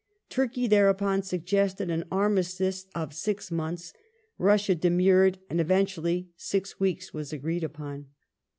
Turkey, thereupon, suggested an armistice of six months ; Russia demurred, and eventually six weeks was agreed upon.